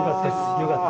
よかった。